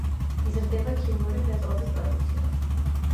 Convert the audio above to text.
იზრდება ქიმიური მრეწველობის პროდუქცია.